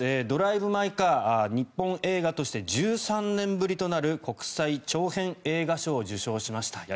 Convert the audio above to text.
「ドライブ・マイ・カー」日本映画として１３年ぶりとなる国際長編映画賞を受賞しました。